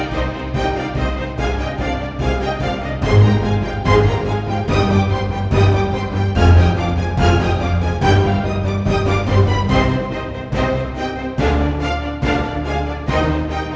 kita harus susun rencana